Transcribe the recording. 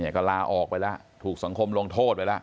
ก็ลาออกไปแล้วถูกสังคมลงโทษไปแล้ว